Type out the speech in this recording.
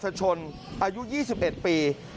พรพันธชนอายุ๒๑ปี